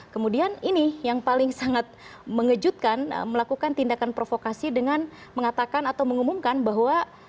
kemudian ini yang paling sangat mengejutkan melakukan tindakan provokasi dengan mengatakan atau mengumumkan bahwa